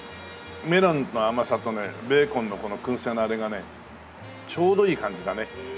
メロンの甘さとねベーコンのこの燻製のあれがねちょうどいい感じだね。